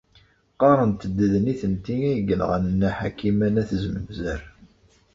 Qarrent-d d nitenti ay yenɣan Nna Ḥakima n At Zmenzer.